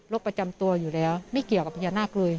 ประจำตัวอยู่แล้วไม่เกี่ยวกับพญานาคเลย